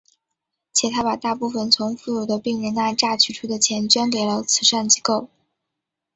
且他把大部分从富有的病人那榨取出的钱捐给了慈善机构。